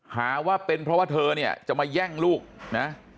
หาว่าเป็นเพราะว่าเธอเนี่ยจะมาแย่งลูกนะ